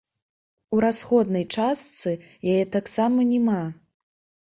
У расходнай частцы яе таксама няма.